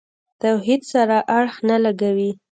توحید سره اړخ نه لګوي.